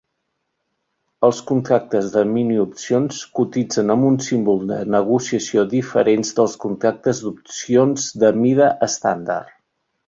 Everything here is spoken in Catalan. Els contractes de miniopcions cotitzen amb un símbol de negociació diferent dels contractes d'opcions de mida estàndard.